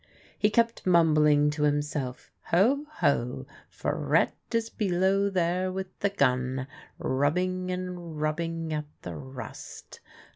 He kept mumbling to himself: " Ho ! ho ! Farettc is below there with the gun, rub bing and rubbing at the rust